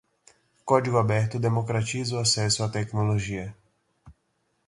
Código aberto democratiza o acesso à tecnologia.